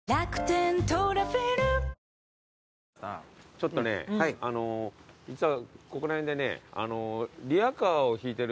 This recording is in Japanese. ちょっとね実はここら辺でね。